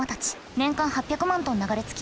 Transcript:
年間８００万トン流れ着き